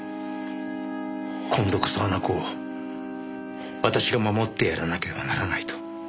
今度こそあの子を私が守ってやらなければならないと。